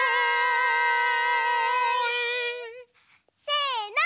せの。